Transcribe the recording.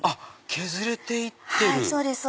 削れていってる！